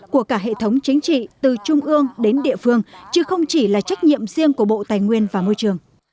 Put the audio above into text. của cả hệ thống chính trị từ trung ương đến địa phương chứ không chỉ là trách nhiệm riêng của bộ tài nguyên và môi trường